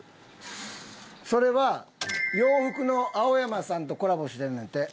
それは洋服の青山さんとコラボしてんねんて。